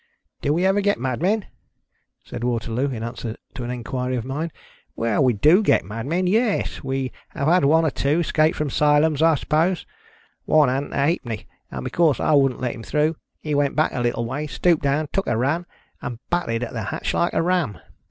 " Do we ever get madmen ?" Baid Waterloo, in answer to an inquiry of mine. "Well, we do get madmen. Yes, we have had one or two ; escaped from 'Sylums, I suppose. One hadn't a halfpenny ; and because I wouldn't let him through, he went back a little way, stooped down, took a run, and butted at the hatch like a ram.